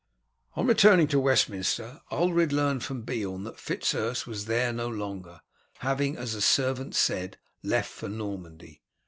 On returning to Westminster Ulred learnt from Beorn that Fitz Urse was there no longer, having, as the servant said, left for Normandy.